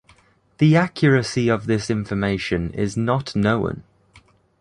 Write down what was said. The accuracy of this information is not known.